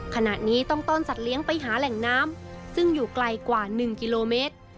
ขณะนี้ต้องต้อนสัตว์เลี้ยงไปหาแหล่งน้ำซึ่งอยู่ไกลกว่า๑กิโลเมตร